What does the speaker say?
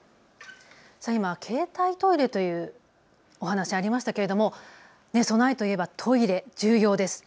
今携帯トイレというお話ありましたけれども備えといえばトイレ、重要です。